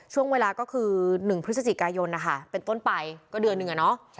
ช่วงเวลาก็คือ๑พฤศจิกายนเป็นต้นไปดื้อนหนึ่ง